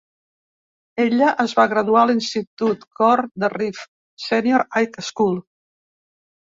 Ella es va graduar a l'institut Coral Reef Senior High School.